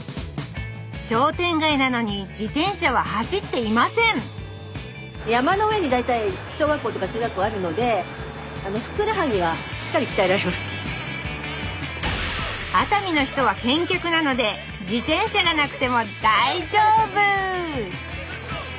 商店街なのに自転車は走っていません熱海の人は健脚なので自転車がなくても大丈夫！